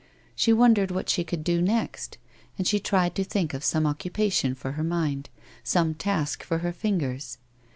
She wondered what she could do next, and she tried to think of some occupation for her mind, some task for her fingers.